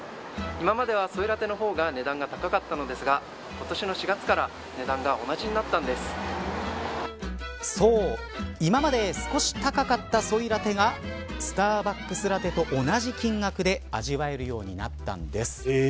今まではソイラテの方が値段が高かったのですが今年の４月からそう、今まで少し高かったソイラテがスターバックスラテと同じ金額で味わえるようになったんです。